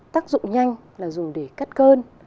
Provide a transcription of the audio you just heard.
tác dụng nhanh là dùng để cắt cơn